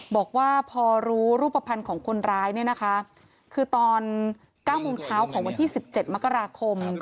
บอกว่าพอรู้รูปภัณฑ์ของคนร้ายเนี่ยนะคะคือตอน๙โมงเช้าของวันที่๑๗มกราคม